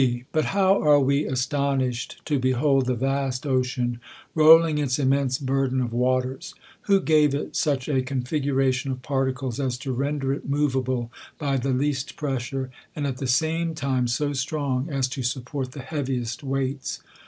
But how are we astonished to behold the vast ocean, rolling its immense burden of waters ! Who gave it such a configuration of particles as to render it moveable by the least pressure, and at the same time so strong as to support the heaviest weights